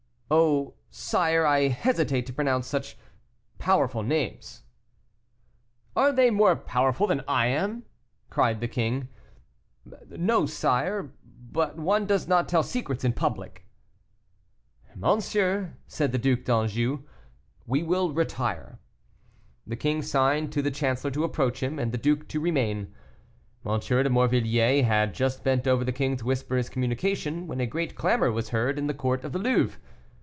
"Oh! sire, I hesitate to pronounce such powerful names." "Are they more powerful than I am?" cried the king. "No, sire; but one does not tell secrets in public." "Monsieur," said the Duc d'Anjou, "we will retire." The king signed to the chancellor to approach him, and to the duke to remain. M. de Morvilliers had just bent over the king to whisper his communication, when a great clamor was heard in the court of the Louvre.